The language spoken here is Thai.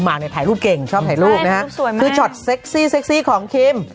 เนี่ยถ่ายรูปเก่งชอบถ่ายรูปนะฮะคือช็อตเซ็กซี่เซ็กซี่ของคิม